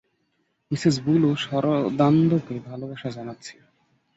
Mrs Bull ও সারদানন্দকে ভালবাসা জানাচ্ছি।